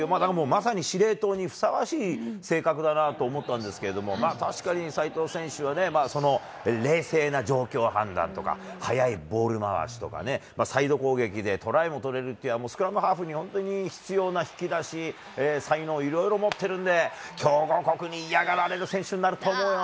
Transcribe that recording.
まさに司令塔にふさわしい性格だなと思ったんですけれども、確かに齋藤選手はね、冷静な状況判断とか、速いボール回しとかね、サイド攻撃でトライも取れるっていうのは、スクラムハーフに本当に必要な引き出し、才能、いろいろ持ってるんで、強豪国に嫌がられる選手になると思うよ。